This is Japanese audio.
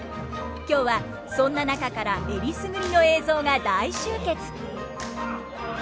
今日はそんな中から選りすぐりの映像が大集結！